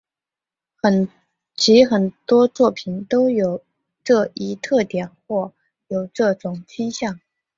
其很多作品都有这一特点或有这种倾向。